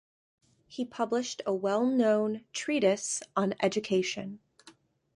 He published a well-known treatise on education.